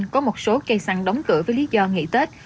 có một số cây xăng đóng cửa với lý do nghỉ tết